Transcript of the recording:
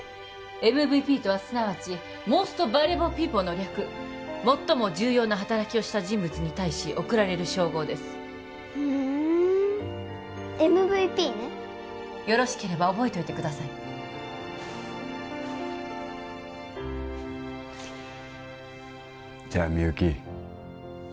ＭＶＰとはすなわちＭｏｓｔＶａｌｕａｂｌｅＰｅｏｐｌｅの略最も重要な働きをした人物に対し贈られる称号ですふんＭＶＰねよろしければ覚えておいてくださいじゃあみゆき